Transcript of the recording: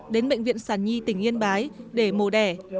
đến bệnh viện sản nhi tỉnh yên bái để mổ đẻ